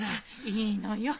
いいのよ。